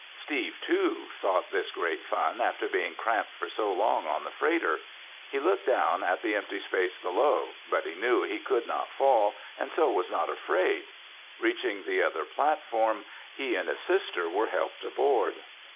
Steve, too, thought this great fun after being cramped for so long on the freighter. He looked down at the empty space below, but he knew he could not fall and so was not afraid. Reaching the other platform, he and his sister were helped aboard.